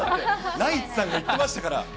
ナイツさんがいってましたから。